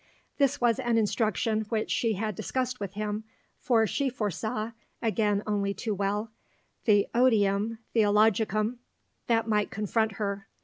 This was an instruction which she had discussed with him, for she foresaw (again only too well) the odium theologicum that might confront her.